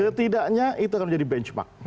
setidaknya itu akan menjadi benchmark